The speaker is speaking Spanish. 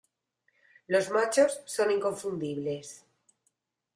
Los machos son inconfundibles.